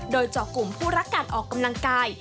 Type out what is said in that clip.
โดยเจาะกลุ่มผู้รักการออกกำลังกาย